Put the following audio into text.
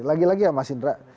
lagi lagi ya mas indra